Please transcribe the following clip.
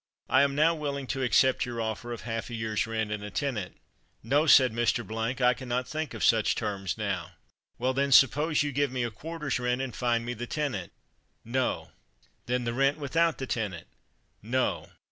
I am now willing to accept your offer of half a year's rent, and a tenant." "No," said Mr. , "I cannot think of such terms now." "Well, then, suppose you give me a quarter's rent, and find me the tenant." "No!" "Then the rent without the tenant." "No!"